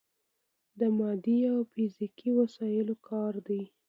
د مادي او فزیکي وسايلو کار دی.